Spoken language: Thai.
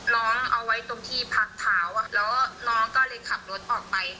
น้องเอาไว้ตรงที่พักเท้าแล้วน้องก็เลยขับรถออกไป